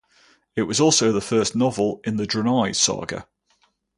It was also the first novel in The Drenai saga.